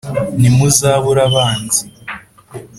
ntimuzabura abanzi